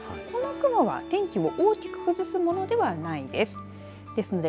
この雲は天気を大きく崩すものではないです。